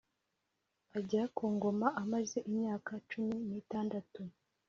Ajya ku ngoma amaze imyaka cumi n itandatu